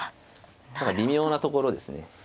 ただ微妙なところですね。